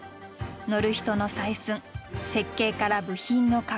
乗る人の採寸設計から部品の加工